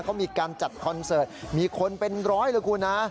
เขามีการจัดคอนเสิร์ตมีคนเป็นร้อยเลยคุณฮะ